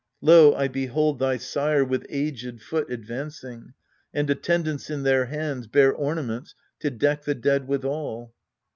Lo, I behold thy sire with aged foot Advancing, and attendants in their hands Bear ornaments to deck the dead withal.